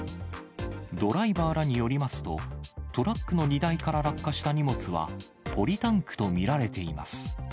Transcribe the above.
ドライバーらによりますと、トラックの荷台から落下した荷物は、ポリタンクと見られています。